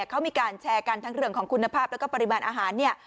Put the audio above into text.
เขามีการแชร์กันทั้งเรื่องของคุณภาพแล้วก็ปริมาณอาหารเนี่ย